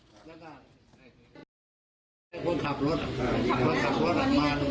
เพราะว่าผิดปกติแล้วค่ะคนนั่งรถยนต์มาแล้วส่วนหมดกันน๊อบ